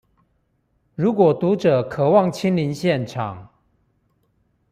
如果讀者渴望親臨現場